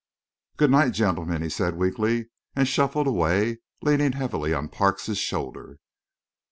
"Good night, gentlemen," he said weakly, and shuffled away, leaning heavily on Parks's shoulder.